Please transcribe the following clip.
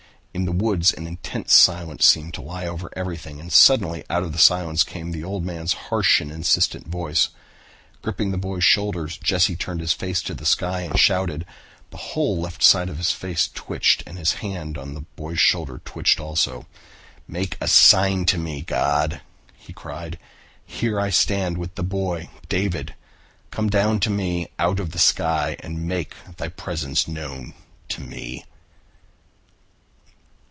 In the woods an intense silence seemed to lie over everything and suddenly out of the silence came the old man's harsh and insistent voice. Gripping the boy's shoulders, Jesse turned his face to the sky and shouted. The whole left side of his face twitched and his hand on the boy's shoulder twitched also. "Make a sign to me, God," he cried. "Here I stand with the boy David. Come down to me out of the sky and make Thy presence known to me."